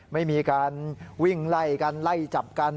ไม่มีการวิ่งไล่กันไล่จับกัน